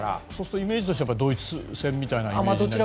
イメージとしてはドイツ戦みたいな？